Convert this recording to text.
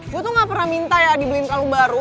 gue tuh gak pernah minta ya dibeliin kalung baru